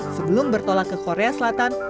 sebelum bertolak ke korea selatan